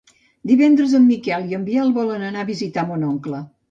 Divendres en Miquel i en Biel volen anar a visitar mon oncle.